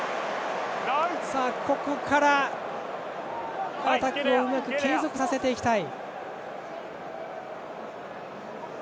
ここからアタックをうまく継続させていきたい。